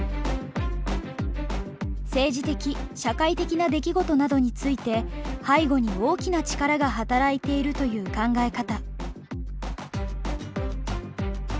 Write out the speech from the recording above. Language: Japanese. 政治的・社会的な出来事などについて背後に大きな力が働いているという考え方。